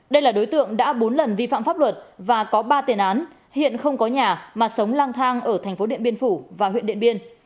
đây là đối tượng đã bốn lần vi phạm pháp luật và có ba tiền án hiện không có nhà mà sống lang thang ở thành phố điện biên phủ và huyện điện biên